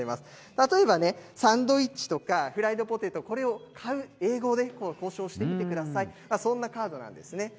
例えばね、サンドイッチとかフライドポテト、これを買う、英語で交渉してみてください、そんなカードなんですね。